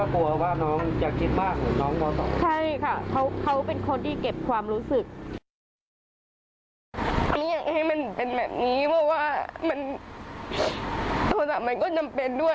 เพราะว่าโทรศัพท์มันก็จำเป็นด้วย